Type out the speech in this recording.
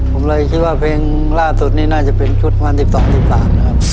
ผมเลยคิดว่าเพลงล่าสุดนี้น่าจะเป็นชุดมา๑๒๑๓นะครับ